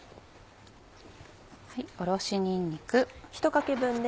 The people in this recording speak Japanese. おろしにんにく。